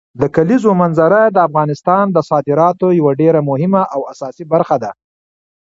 د کلیزو منظره د افغانستان د صادراتو یوه ډېره مهمه او اساسي برخه ده.